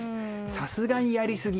さすがにやりすぎ。